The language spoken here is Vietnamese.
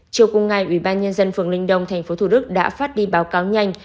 chiều cùng ngày ủy ban nhân dân phường linh đông tp thủ đức đã phát đi báo cáo nhanh